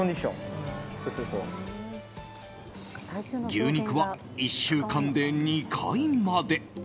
牛肉は１週間で２回まで。